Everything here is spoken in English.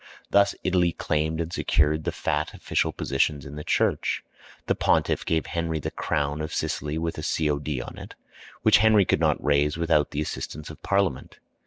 Thus Italy claimed and secured the fat official positions in the church. The pontiff gave Henry the crown of Sicily with a C.O.D. on it, which Henry could not raise without the assistance of Parliament.